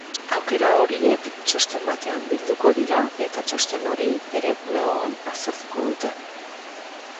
Aukera horiek txosten batean bilduko dira eta txosten hori bere bulegoan aztertuko dute.